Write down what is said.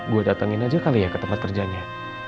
gue datengin aja kali ya ke tempat kerjanya